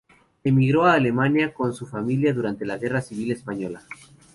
Emigró a Alemania con su familia durante la Guerra Civil española.